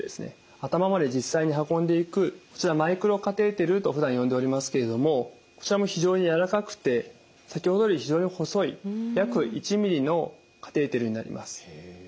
頭まで実際に運んでいくこちらマイクロカテーテルとふだん呼んでおりますけれどもこちらも非常に軟らかくて先ほどより非常に細い約１ｍｍのカテーテルになります。